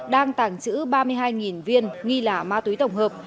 đang tàng trữ ba mươi hai viên nghi là ma túy tổng hợp